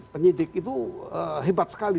penyidik itu hebat sekali